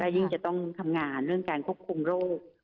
ยิ่งจะต้องทำงานเรื่องการควบคุมโรค